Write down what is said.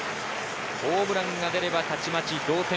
ホームランが出れば、たちまち同点。